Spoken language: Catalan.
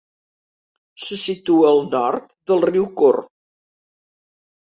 Se situa al nord del riu Corb.